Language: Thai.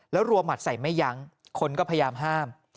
แล้วรัวหมัดใส่ไม่ยั้งคนก็พยายามห้าม